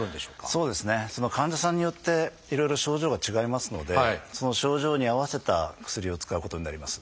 そうですねその患者さんによっていろいろ症状が違いますのでその症状に合わせた薬を使うことになります。